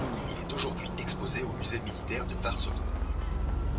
Il est aujourd'hui exposé au musée militaire de Varsovie.